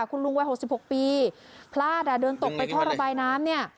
คุณลุงวัย๖๖ปีพลาดเดินตกไปท่อระบายน้ำเนี่ย